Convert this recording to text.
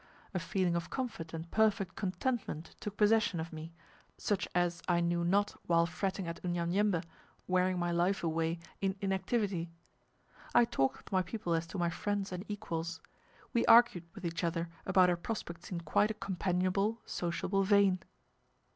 A feeling of comfort and perfect contentment took possession of me, such as I knew not while fretting at Unyanyembe, wearing my life away in inactivity. I talked with my people as to my friends and equals. We argued with each other about our prospects in quite a companionable, sociable vein.